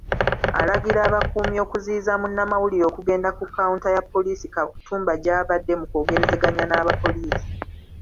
Alagira abakuumi okuziyiza munnamawulire okugenda ku kawunta ya poliisi Katumba gy'abadde mu kwogerezeganya n'abapoliisi.